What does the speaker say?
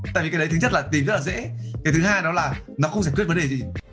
tại vì cái đấy thứ chất là tìm rất là dễ cái thứ hai đó là nó không giải quyết vấn đề gì